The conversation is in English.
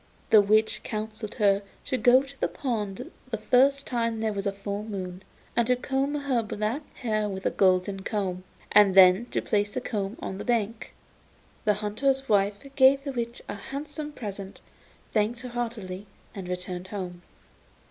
The witch counselled her to go to the pond the first time there was a full moon, and to comb her black hair with a golden comb, and then to place the comb on the bank. The hunter's wife gave the witch a handsome present, thanked her heartily, and returned home.